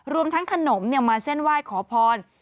รวมทั้งขนมมาเส้นไหว้ขอพร